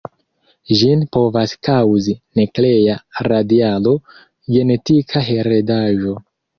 Ĝin povas kaŭzi nuklea radiado, genetika heredaĵo.